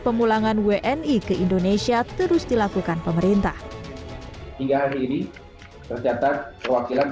pemulangan wni ke indonesia terus dilakukan pemerintah hingga hari ini tercatat perwakilan